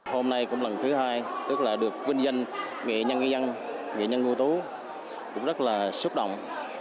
hôm nay cũng lần thứ hai tức là được vinh danh nghệ nhân người dân nghệ nhân ngu tố cũng rất là xúc động